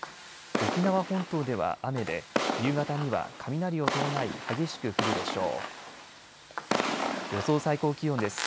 沖縄本島では雨で夕方には雷を伴い激しく降るでしょう。